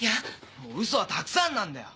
もう嘘はたくさんなんだよ！